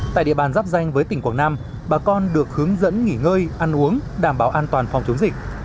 tại địa bàn giáp danh với tỉnh quảng nam bà con được hướng dẫn nghỉ ngơi ăn uống đảm bảo an toàn phòng chống dịch